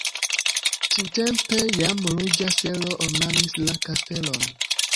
Tiutempe jam ruĝa stelo ornamis la kastelon.